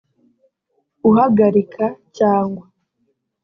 uhagarika cyangwa